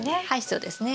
そうですね。